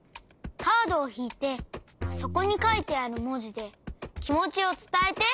カードをひいてそこにかいてあるもじできもちをつたえて！